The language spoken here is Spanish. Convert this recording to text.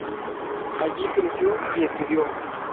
Allí creció y estudió.